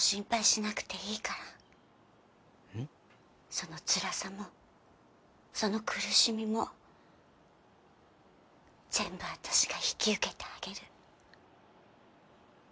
そのつらさもその苦しみも全部私が引き受けてあげる。